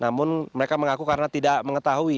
namun mereka mengaku karena tidak mengetahui